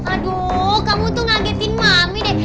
aduh kamu tuh ngagetin mami deh